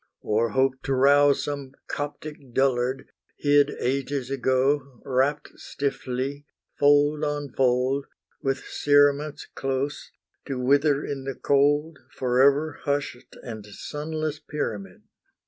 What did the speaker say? Or hope to rouse some Coptic dullard, hid Ages ago, wrapt stiffly, fold on fold, With cerements close, to wither in the cold Forever hushed, and sunless pyramid!